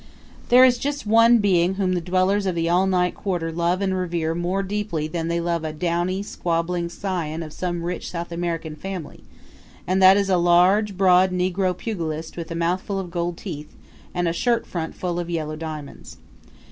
There is just one being whom the dwellers of the all night quarter love and revere more deeply than they love a downy, squabbling scion of some rich South American family, and that is a large, broad negro pugilist with a mouthful of gold teeth and a shirtfront full of yellow diamonds.